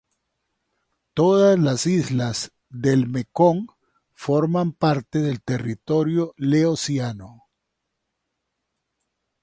Todas las islas del Mekong forman parte del territorio laosiano.